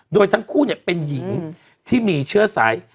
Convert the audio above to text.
โดยทั้งคู่เป็นหญิงที่มีเชื้อสาย